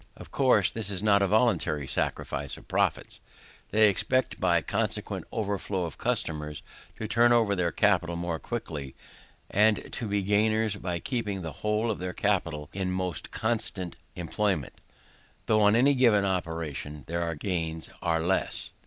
Of course, this is not a voluntary sacrifice of profits: they expect by the consequent overflow of customers to turn over their capital more quickly, and to be gainers by keeping the whole of their capital in more constant employment, though on any given operation their gains are less.